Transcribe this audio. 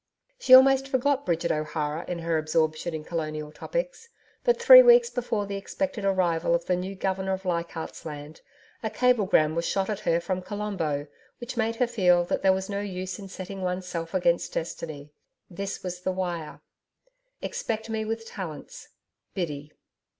She almost forgot Bridget O'Hara in her absorption in colonial topics. But three weeks before the expected arrival of the new Governor of Leichardt's Land a cablegram was shot at her from Colombo which made her feel that there was no use in setting oneself against Destiny. This was the wire: EXPECT ME WITH TALLANTS BIDDY.